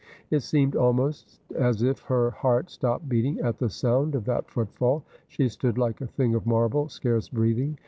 It seemed almost as if her heart stopped beating at the sound of that footfall. She stood like a thing of marble, scarce breathing.